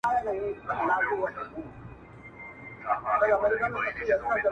خالقه سترګي د رقیب مي سپېلني کې ورته٫